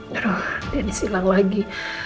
terus dennis hilang lagi